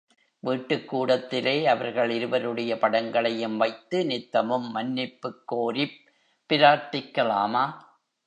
வீட்டுக் கூடத்திலே அவர்கள் இருவருடைய படங்களையும் வைத்து நித்தமும் மன்னிப்புக் கோரிப் பிரார்த்திக்கலாமா?